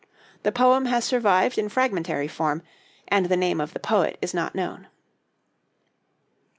The poem has survived in fragmentary form, and the name of the poet is not known.